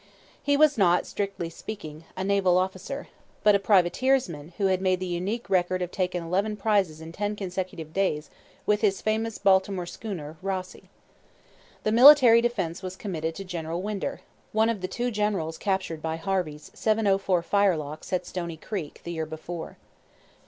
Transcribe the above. He was not, strictly speaking, a naval officer, but a privateersman who had made the unique record of taking eleven prizes in ten consecutive days with his famous Baltimore schooner Rossie. The military defence was committed to General Winder, one of the two generals captured by Harvey's '704 firelocks' at Stoney Creek the year before.